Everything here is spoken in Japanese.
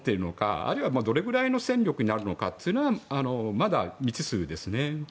あるいは、どれぐらいの戦力になるのかというのはまだ未知数ですね。